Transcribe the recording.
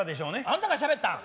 あんたがしゃべったん？